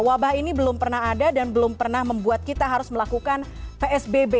wabah ini belum pernah ada dan belum pernah membuat kita harus melakukan psbb